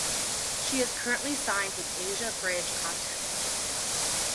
She is currently signed with Asia Bridge Contents.